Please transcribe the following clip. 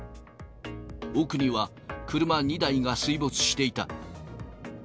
奥には車２台が水没していた。